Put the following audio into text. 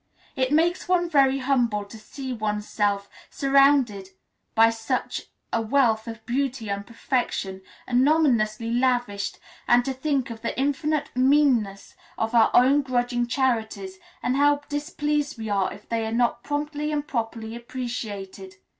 It makes one very humble to see oneself surrounded by such a wealth of beauty and perfection anonymously lavished, and to think of the infinite meanness of our own grudging charities, and how displeased we are if they are not promptly and properly appreciated.